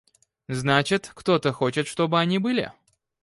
Значит – кто-то хочет, чтобы они были?